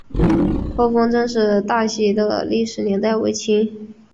厚丰郑氏大厝的历史年代为清。